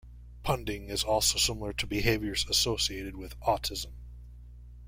Punding is also similar to behaviors associated with autism.